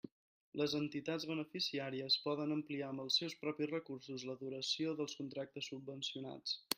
Les entitats beneficiàries poden ampliar amb els seus propis recursos la duració dels contractes subvencionats.